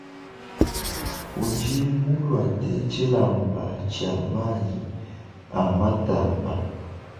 Udi muluate tshilamba tshia mayi a matamba.